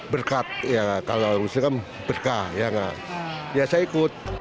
berkat kalau muslim berkah saya ikut